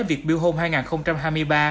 việt build home hai nghìn hai mươi ba